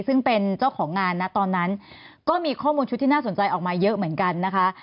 ซึ่งเป็นเจ้าของงานนะตอนนั้นก็มีข้อมูลชุดที่น่าสนใจออกมาเยอะเหมือนกันนะคะ